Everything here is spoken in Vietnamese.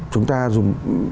chúng ta dùng